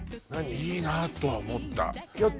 いいなとは思ったヨット？